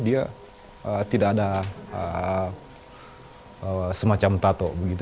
dia tidak ada semacam tato